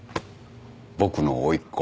僕のおいっ子。